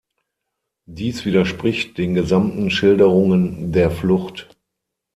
Dies widerspricht den gesamten Schilderungen der Flucht.